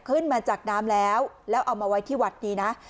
ขึ้นมาจากน้ำแล้วแล้วเอามาไว้ที่วัดนี้นะ